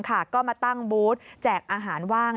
ก็มาตั้งบูธแจกอาหารว่าง